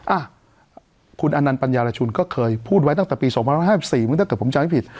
อ่ะคุณอนันต์ปัญญารชุนก็เคยพูดไว้ตั้งแต่ปี๒๕๔เมื่อถ้าเกิดผมจำให้ผิด